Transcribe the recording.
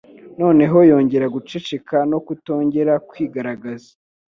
Noneho yongera guceceka no kutongera kwigaragaza,